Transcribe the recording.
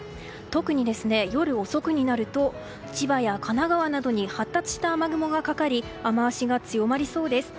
特に、夜遅くになると千葉や神奈川などに発達した雨雲がかかり雨脚が強まりそうです。